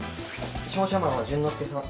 商社マンは淳之介さん。